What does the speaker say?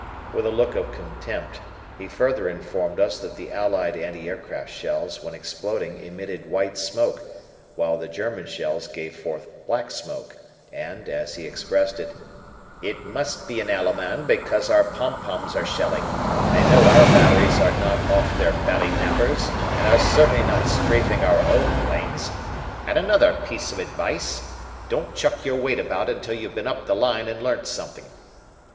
With a look of contempt he further informed us that the allied anti aircraft shells when exploding emitted white smoke while the German shells gave forth black smoke, and, as he expressed it, "It must be an Allemand because our pom poms are shelling, and I know our batteries are not off their bally nappers and are certainly not strafeing our own planes, and another piece of advice don't chuck your weight about until you've been up the line and learnt something."